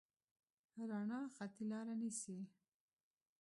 رڼا خطي لاره نیسي.